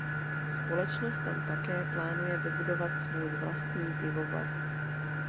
Společnost tam také plánuje vybudovat svůj vlastní pivovar.